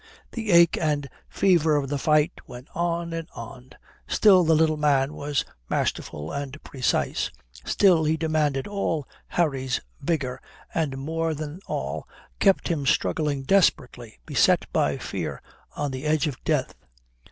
The ache and fever of the fight went on and on. Still the little man was masterful and precise. Still he demanded all Harry's vigour and more than all, kept him struggling desperately, beset by fear on the edge of death.